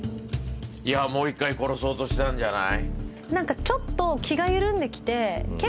もう１回殺そうとしたんじゃない？